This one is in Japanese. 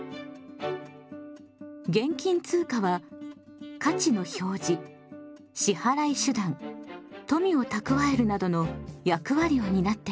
現金通貨は価値の表示支払い手段富を蓄えるなどの役割を担っています。